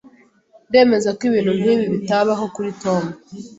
Ndemeza ko ibintu nkibi bitabaho kuri Tom.